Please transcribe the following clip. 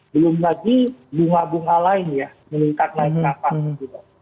belum lagi bunga bunga lain ya meningkat naiknya apa juga